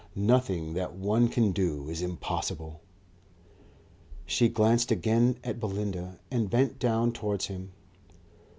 "Nothing that one can do is impossible." She glanced again at Belinda and bent down towards him.